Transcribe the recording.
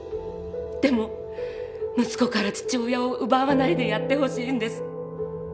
でも息子から父親を奪わないでやってほしいんです。